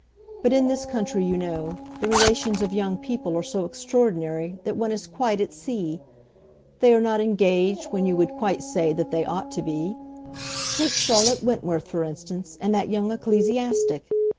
"But in this country, you know, the relations of young people are so extraordinary that one is quite at sea. They are not engaged when you would quite say they ought to be. Take Charlotte Wentworth, for instance, and that young ecclesiastic.